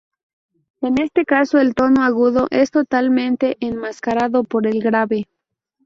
En este caso el tono agudo es totalmente enmascarado por el grave.